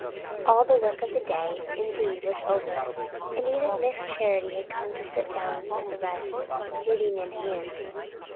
All the work of the day, indeed, was over; and even Miss Charity had come to sit down with the rest, knitting in hand.